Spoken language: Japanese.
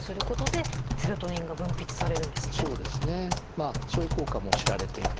まあそういう効果も知られていて。